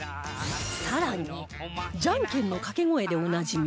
更にじゃんけんのかけ声でおなじみ